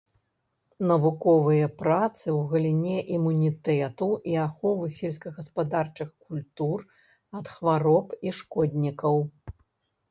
Навуковыя працы ў галіне імунітэту і аховы сельскагаспадарчых культур ад хвароб і шкоднікаў.